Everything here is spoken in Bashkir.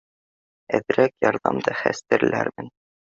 Әҙерәк ярҙам да хәстәрләрмен